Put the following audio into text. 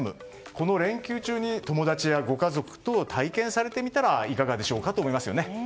この連休中、友達やご家族と体験されてみたらいかがでしょうか。